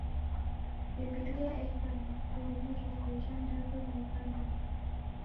Biblia eka na vuo mirongo irandadu na irandadu.